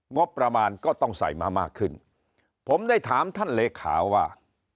งบประมาณก็ต้องใส่มามากขึ้นผมได้ถามท่านเลขาว่า